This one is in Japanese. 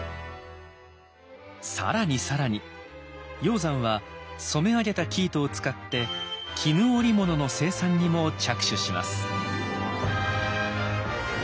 更に更に鷹山は染め上げた生糸を使って絹織物の生産にも着手します。